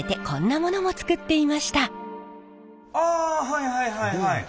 はいはいはいはい。